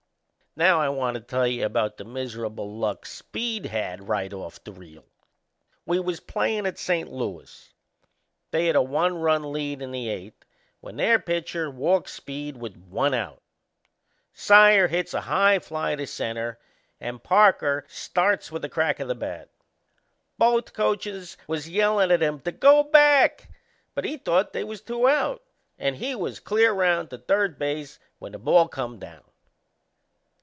Now I want to tell you about the miserable luck Speed had right off the reel. We was playin' at St. Louis. They had a one run lead in the eighth, when their pitcher walked Speed with one out. Saier hits a high fly to centre and Parker starts with the crack o' the bat. Both coachers was yellin' at him to go back, but he thought they was two out and he was clear round to third base when the ball come down.